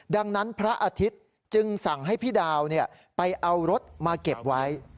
ดังนั้นพระอาทิตย์จึงสั่งให้พี่ดาวไปเอารถมาเก็บไว้